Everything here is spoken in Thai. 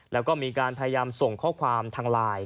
แล้วก็มีการพยายามส่งข้อความทางไลน์